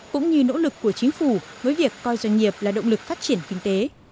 cũng như nỗ lực của chính phủ với việc coi doanh nghiệp là động lực phát triển kinh tế